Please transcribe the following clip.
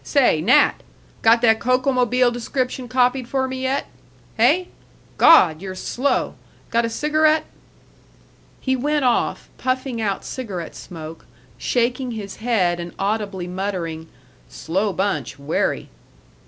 Say! Nat! Got that Kokomobile description copied for me yet? Heh? Gawd! you're slow. Got a cigarette?" He went off, puffing out cigarette smoke, shaking his head and audibly muttering, "Slow bunch, werry."